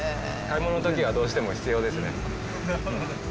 買い物のときはどうしても必要ですね。